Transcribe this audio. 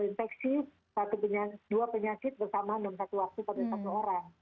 jangan lupa adanya dua penyakit bersama dalam satu waktu pada satu orang